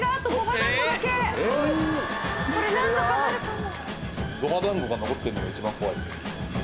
これ何とかなるかも。